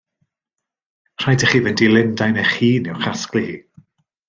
Rhaid i chi fynd i Lundain eich hun i'w chasglu hi.